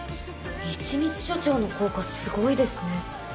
１日署長の効果すごいですね。